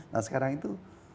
nah sekarang itu